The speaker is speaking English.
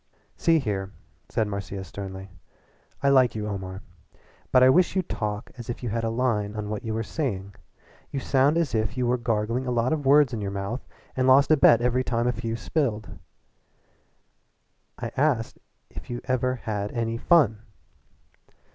"See here," said Marcia sternly, "I like you, Omar, but I wish you'd talk as if you had a line on what you were saying. You sound as if you were gargling a lot of words in your mouth and lost a bet every time you spilled a few. I asked you if you ever had any fun."